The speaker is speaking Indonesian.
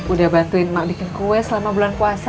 udah bantuin mak bikin kue selama bulan puasa